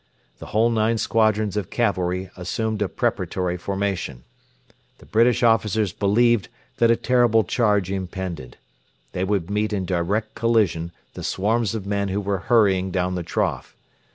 The whole nine squadrons of cavalry assumed a preparatory formation. The British officers believed that a terrible charge impended. They would meet in direct collision the swarms of men who were hurrying down the trough.